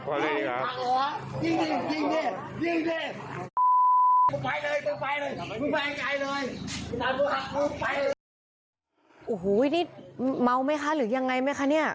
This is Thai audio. โอ้โหนี่เมาไหมคะหรือยังไงไหมคะเนี่ย